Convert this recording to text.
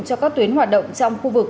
cho các tuyến hoạt động trong khu vực hà nội